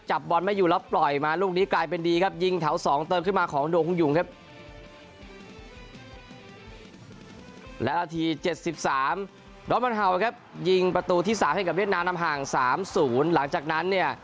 บอลไม่อยู่แล้วปล่อยมาลูกนี้กลายเป็นดีครับยิงแถว๒เติมขึ้นมาของดวงยุงครับ